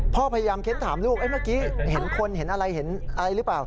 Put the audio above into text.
พ่อพยายามเค้นถามลูกเมื่อกี้เห็นคนเห็นอะไรเห็นอะไรหรือเปล่า